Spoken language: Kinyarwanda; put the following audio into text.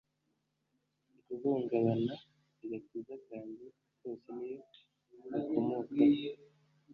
guhungabana. agakiza kanjye kose niyo gakomokaho